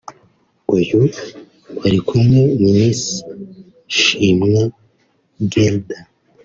uyu bari kumwe ni Miss Shimwa Guelda